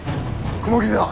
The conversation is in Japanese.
雲霧だ。